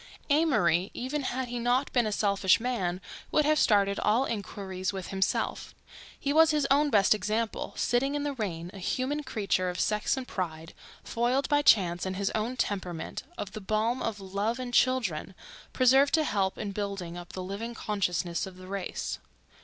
Amory, even had he not been a selfish man, would have started all inquiries with himself. He was his own best example—sitting in the rain, a human creature of sex and pride, foiled by chance and his own temperament of the balm of love and children, preserved to help in building up the living consciousness of the race.